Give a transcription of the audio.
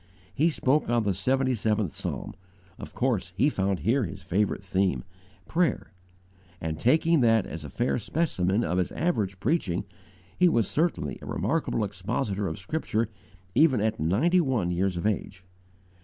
He spoke on the 77th Psalm; of course he found here his favourite theme prayer; and, taking that as a fair specimen of his average preaching, he was certainly a remarkable expositor of Scripture even at ninety one years of age.